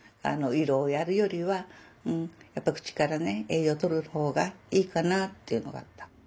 胃ろうをやるよりは口から栄養とる方がいいかなっていうのがあった。